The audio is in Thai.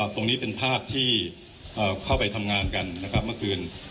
ตรงนี้เป็นภาพที่เข้าไปทำงานกันเมื่อคืนนี้